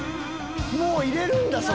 もう入れるんだ